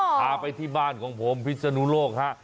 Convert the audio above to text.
พาไปที่บ้านของผมพิศนุโลกฮะ